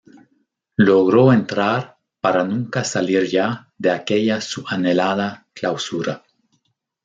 Logró entrar para nunca salir ya de aquella su anhelada clausura.